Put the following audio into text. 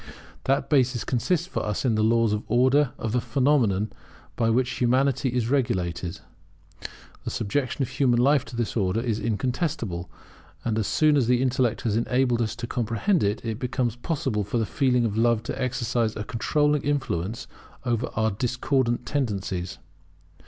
That basis consists for us in the laws or Order of the phenomena by which Humanity is regulated. The subjection of human life to this order is incontestable; and as soon as the intellect has enabled us to comprehend it, it becomes possible for the feeling of love to exercise a controlling influence over our discordant tendencies.